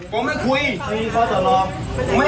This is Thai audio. ผมไม่คุยไม่คุยไม่คุยเอาแฟนผมมาคุยตรงนี้ก็ได้เนี่ย